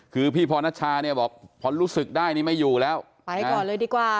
คือพี่พรณชาเนี่ยบอกพอรู้สึกได้นี่ไม่อยู่แล้วไปก่อนเลยดีกว่า